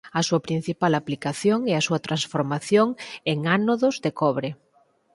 A súa principal aplicación é a súa transformación en ánodos de cobre.